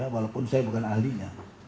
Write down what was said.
walaupun saya bukan ahlinya